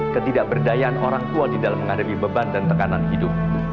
ketidakberdayaan orang tua di dalam menghadapi beban dan tekanan hidup